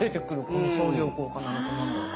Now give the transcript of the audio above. この相乗効果なのか何なのか。